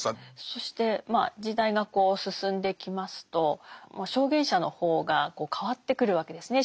そしてまあ時代がこう進んできますと証言者の方が変わってくるわけですね。